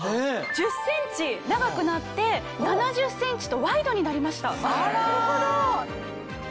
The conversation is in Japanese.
・１０ｃｍ長くなって７０ｃｍとワイドになりました